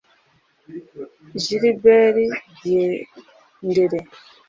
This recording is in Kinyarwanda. Gilbert Diendéré